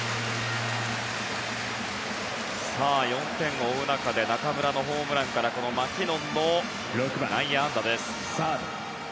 ４点を追う中で中村のホームランからこのマキノンの内野安打です。